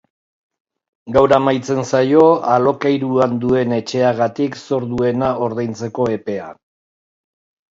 Gaur amaitzen zaio alokairuan duen etxeagatik zor duena ordaintzeko epea.